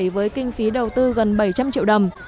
với kinh phí đầu tư gần bảy trăm linh triệu đồng